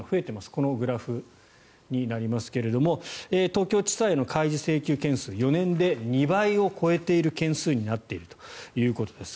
このグラフになりますが東京地裁の開示請求件数４年で２倍を超えている件数になっているということです。